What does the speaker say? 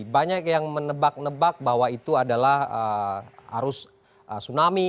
banyak yang menebak nebak bahwa itu adalah arus tsunami